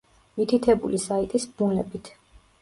მითითებული საიტის ბმულებით.